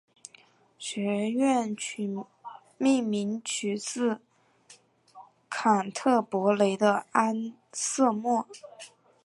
学院命名取自坎特伯雷的安瑟莫。